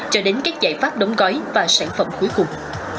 cho đến các giải pháp đóng gói và sản phẩm cuối cùng